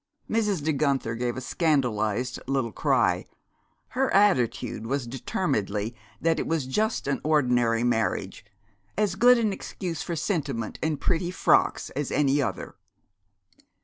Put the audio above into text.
Mrs. De Guenther gave a scandalized little cry. Her attitude was determinedly that it was just an ordinary marriage, as good an excuse for sentiment and pretty frocks as any other.